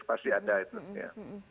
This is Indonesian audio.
pasti ada itu